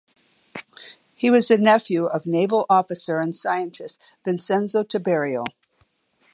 He was the nephew of naval officer and scientist Vincenzo Tiberio.